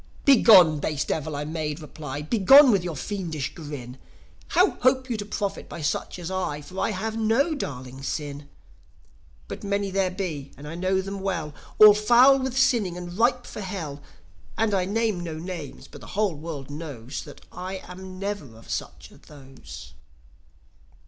"Begone, base Devil!" I made reply "Begone with your fiendish grin! How hope you to profit by such as I? For I have no darling sin. But many there be, and I know them well, All foul with sinning and ripe for Hell. And I name no names, but the whole world knows That I am never of such as those."